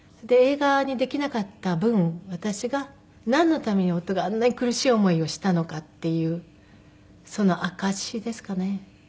で映画にできなかった分私がなんのために夫があんなに苦しい思いをしたのかっていうその証しですかね。